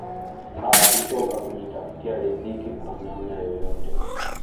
hawakuchoka kujitafutia ridhiki kwa namna yoyote